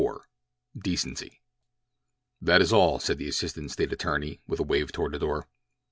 — DECENCY "That is all," said the assistant State attorney with a wave toward the door.